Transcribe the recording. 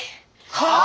はあ